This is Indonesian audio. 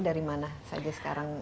dari mana saja sekarang